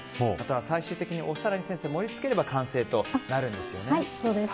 最終的にお皿に盛りつければ完成となるんですよね。